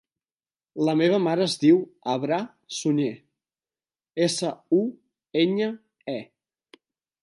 La meva mare es diu Abrar Suñe: essa, u, enya, e.